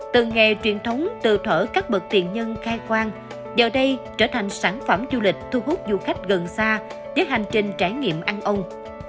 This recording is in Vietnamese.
từ nghề truyền thống từ thở các bậc tiền nhân khai quang giờ đây trở thành sản phẩm du lịch thu hút du khách gần xa với hành trình trải nghiệm ăn ông